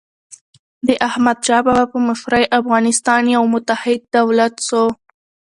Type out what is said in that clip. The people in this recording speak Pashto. د احمدشاه بابا په مشرۍ افغانستان یو متحد دولت سو.